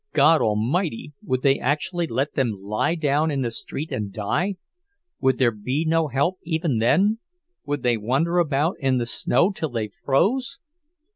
God Almighty! would they actually let them lie down in the street and die? Would there be no help even then—would they wander about in the snow till they froze?